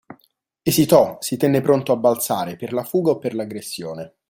Esitò, si tenne pronto a balzare, per la fuga o per l'aggressione.